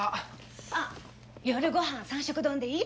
あっ夜ご飯三色丼でいい？